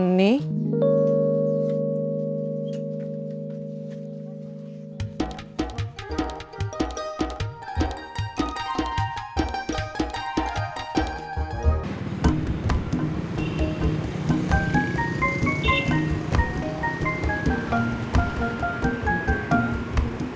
nanti aku bawa